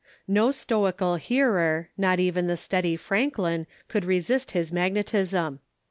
No stoical hearer, not even the steady Franklin, could resist his magnetism.